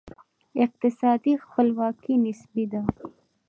اقتصادي خپلواکي نسبي ده.